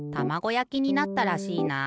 やきになったらしいな。